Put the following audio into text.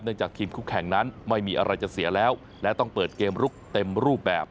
จากทีมคู่แข่งนั้นไม่มีอะไรจะเสียแล้วและต้องเปิดเกมลุกเต็มรูปแบบ